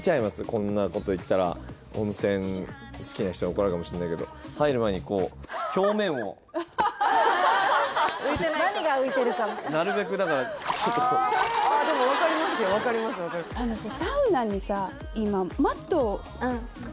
こんなこと言ったら温泉好きな人に怒られるかもしれないけど何が浮いてるかみたいななるべくだからちょっとこうああでも分かりますよああ・ありますね